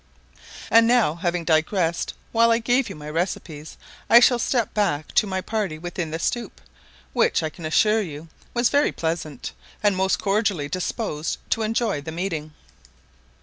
And now, having digressed while I gave you my recipes, I shall step back to my party within the stoup, which, I can assure you, was very pleasant, and most cordially disposed to enjoy the meeting.